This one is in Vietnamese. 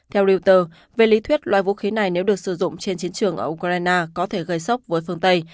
theo reuter về lý thuyết loại vũ khí này nếu được sử dụng trên chiến trường ở ukraine có thể gây sốc với phương tây